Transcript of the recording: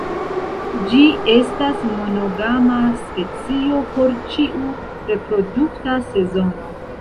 Ĝi estas monogama specio por ĉiu reprodukta sezono.